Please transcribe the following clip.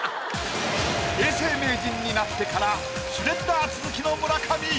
永世名人になってからシュレッダー続きの村上。